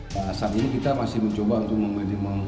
saat ini kita masih mencoba untuk membandingkan